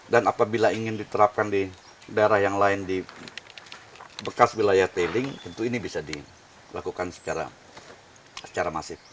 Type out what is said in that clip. dan apabila ingin diterapkan di daerah yang lain di bekas wilayah tailing tentu ini bisa dilakukan secara masif